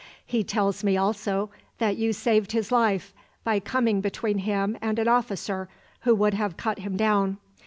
"He tells me also that you saved his life by coming between him and an officer who would have cut him down.